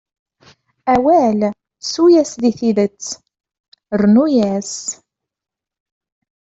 Awal, ssu-yas di tidet, rrnu-yas.